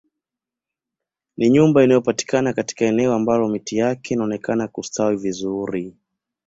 Ni nyumba inayopatikana katika eneo ambalo miti yake inaonekana kustawi vizuri